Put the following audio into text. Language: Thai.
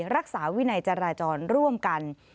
รักษาวินัยจราจรร่วมกัน